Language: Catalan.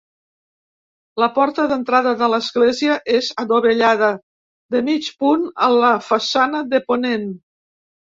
La porta d'entrada a l'església és adovellada, de mig punt, a la façana de ponent.